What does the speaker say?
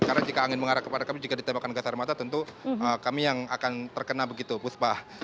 karena jika angin mengarah kepada kami jika ditembakkan gas air mata tentu kami yang akan terkena begitu puspa